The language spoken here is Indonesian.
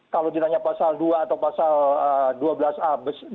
kalau ditanya pasal dua atau pasal dua belas a